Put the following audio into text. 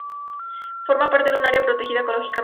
Forma parte de un área protegida ecológicamente.